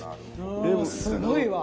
すごいわ。